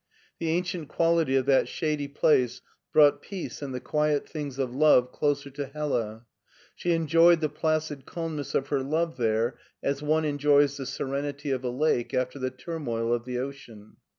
The ancient quality of that shady place brought peace and the quiet things of love doser to Hella. She enjoyed the placid calmness of her love there as one enjoys the serenity of a lake after the turmoil of the ocean.